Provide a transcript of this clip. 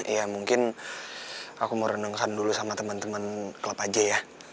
ya mungkin aku mau renungkan dulu sama temen temen klub aja ya